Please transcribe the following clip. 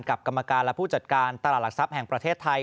กรรมการและผู้จัดการตลาดหลักทรัพย์แห่งประเทศไทย